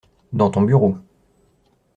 Dans ton bureau.